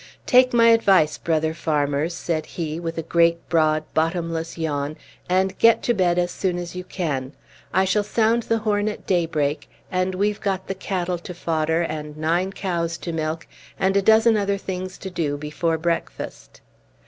"Take my advice, brother farmers," said he, with a great, broad, bottomless yawn, "and get to bed as soon as you can. I shall sound the horn at daybreak; and we've got the cattle to fodder, and nine cows to milk, and a dozen other things to do, before breakfast."